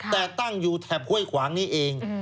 แต่ตั้งอยู่แถบห้วยขวางนี้เอง